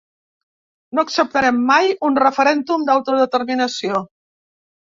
No acceptarem mai un referèndum d’autodeterminació.